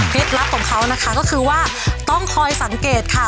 ลับของเขานะคะก็คือว่าต้องคอยสังเกตค่ะ